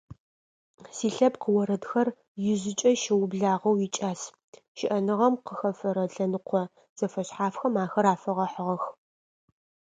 Силъэпкъ орэдхэр ижъыкӏэ къыщыублагъэу икӏас, щыӏэныгъэм къыхэфэрэ лъэныкъо зэфэшъхьафхэм ахэр афэгъэхьыгъэх.